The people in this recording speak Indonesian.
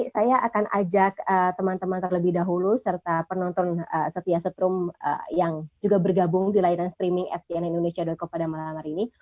saya akan ajak teman teman terlebih dahulu serta penonton setia setrum yang juga bergabung di layanan streaming fcnindonesia com pada malam hari ini